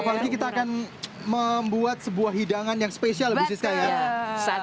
apalagi kita akan membuat sebuah hidangan yang spesial bu siska ya